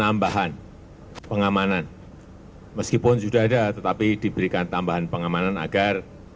tambahan pengamanan meskipun sudah ada tetapi diberikan tambahan pengamanan agar